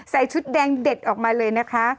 ชุดแดงเด็ดออกมาเลยนะคะ